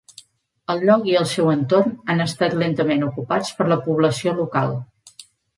El lloc i el seu entorn han estat lentament ocupats per la població local.